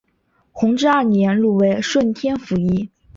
弘治二年入为顺天府尹。